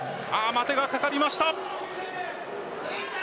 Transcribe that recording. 待てがかかりました。